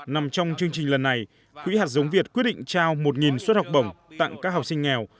nằm trong chương trình lần này quỹ hạt giống việt quyết định trao một suất học bổng tặng các học sinh nghèo